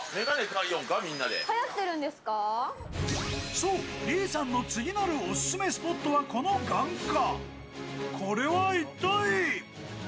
そう、李さんの次なるおすすめスポットはこの眼科。